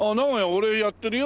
俺やってるよ。